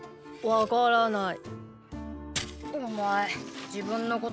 わからない。